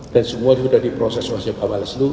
dan semua sudah diproses oleh bawaslu